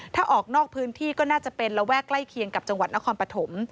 ถ้าออกนอกพื้นที่ก็น่าจะเป็นระแวกใกล้เคียงกับจังหวัดนครปฐม